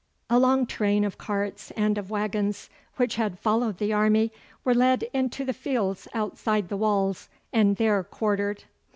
A long train of carts and of waggons which had followed the army were led into the fields outside the walls and there quartered.